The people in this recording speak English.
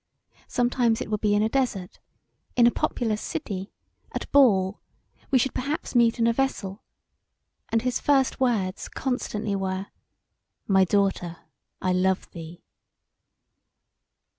Sometimes it would be in a desart; in a populous city; at a ball; we should perhaps meet in a vessel; and his first words constantly were, "My daughter, I love thee"!